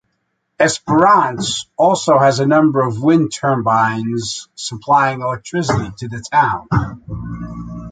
Esperance also has a number of wind turbines supplying electricity to the town.